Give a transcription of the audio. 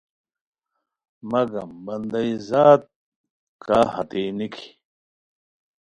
مگم بندائی ذات کا ہتیئے نِکی